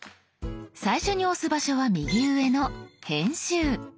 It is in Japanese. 最初に押す場所は右上の「編集」。